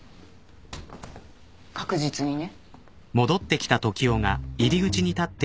確実にね。